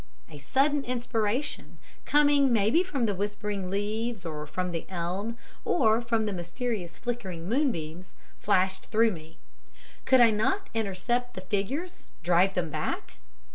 A sudden inspiration, coming maybe from the whispering leaves, or from the elm, or from the mysterious flickering moonbeams, flashed through me. Could I not intercept the figures, drive them back?